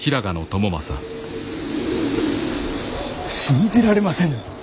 信じられませぬ。